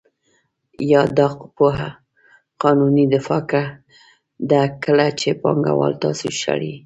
یا دا یوه قانوني دفاع ده کله چې پانګوال تاسو شړي